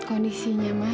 aku mau berjalan